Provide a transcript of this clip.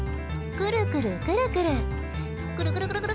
くるくるくるくる。